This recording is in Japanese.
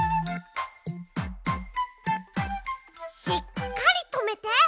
しっかりとめて！